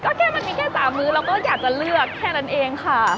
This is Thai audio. ก็แค่มันมีแค่๓มื้อเราก็อยากจะเลือกแค่นั้นเองค่ะ